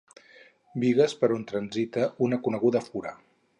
Bigues per on transita una coneguda fura.